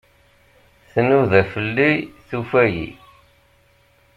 Tnuda fell-i, tufa-iyi.